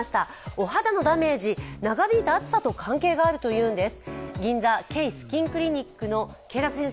お肌のダメージ、長引いた暑さと関係があるというんです。